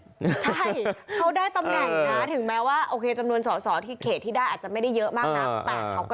ใช่เขาได้ตำแหน่งถึงแม้ว่าจำนวนสอบที่เขตที่ได้อาจจะไม่ได้เยอะมาก